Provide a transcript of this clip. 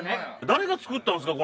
誰が作ったんですか？